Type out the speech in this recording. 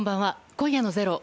今夜の「ｚｅｒｏ」